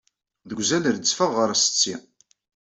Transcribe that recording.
Deg uzal, rezzfeɣ ɣer setti.